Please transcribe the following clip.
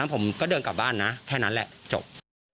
ผมก็เดินกลับบ้านนะแค่นั้นแหละจบ